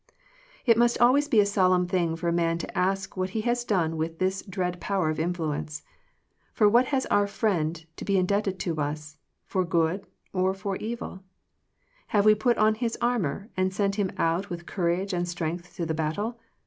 It must always be a solemn thing for a man to ask what he has done with this dread power of influence. For what has our friend to be indebted to us — for good or for evil ? Have we put on his armor, and sent him out with courage and strength to the battle?